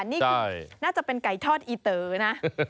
นี่น่าจะเป็นไก่ทอดอีเตอร์นะ